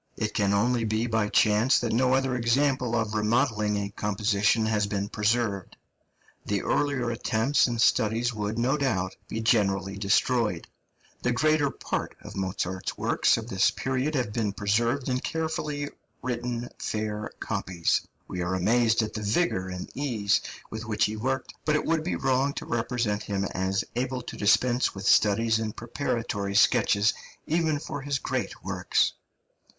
It can only be by chance that no other example of remodelling a composition has been preserved; the earlier attempts and studies would, no doubt, be generally destroyed. The greater part of Mozart's works of this period have been preserved in carefully written fair copies. We are amazed at the vigour and ease with which he worked, but it would be wrong to represent him as able to dispense with studies and preparatory sketches, even for his great works.